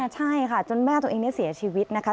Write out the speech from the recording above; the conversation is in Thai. ใช่ค่ะจนแม่ตัวเองเสียชีวิตนะคะ